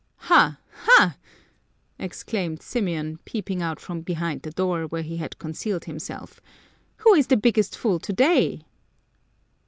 " Ha, ha !" exclaimed Symeon, peeping out from behind the door, where he had concealed himself, " who is the biggest fool to day